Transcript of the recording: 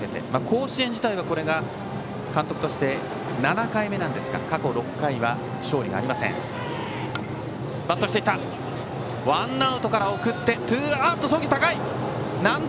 甲子園自体はこれが監督として７回目なんですが、過去６回は勝利がありません。